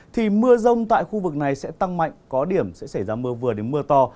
thì mưa rông tại khu vực này sẽ tăng mạnh có điểm sẽ xảy ra mưa vừa đến mưa to